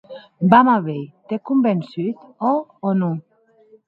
Vam a veir, t’é convençut, òc o non?